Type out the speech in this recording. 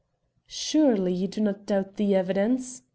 "Surely you do not doubt the evidence?"